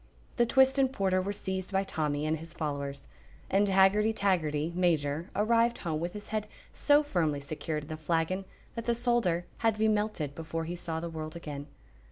The twist and porter were seized by Tommy and his followers, and Haggerty Taggerty, Major, arrived home with his head so firmly secured in the flagon that the solder had to be melted before he saw the world again.